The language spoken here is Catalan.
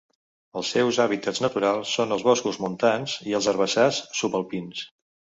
Els seus hàbitats naturals són els boscos montans i els herbassars subalpins.